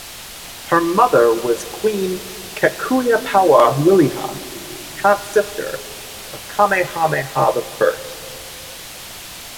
Her mother was Queen Kekuiapoiwa Liliha, half-sister of Kamehameha the First.